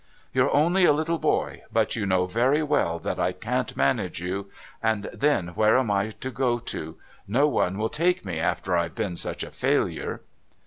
"You're only a little boy, but you know very well that I can't manage you. And then where am I to go to? No one will take me after I've been such a failure."